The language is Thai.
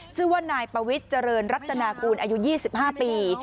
ชื่อว่านายปวิทย์เจริญรัตนากูลอายุ๒๕ปี